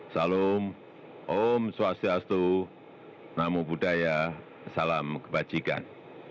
salam om swastiastu namo buddhaya salam kebajikan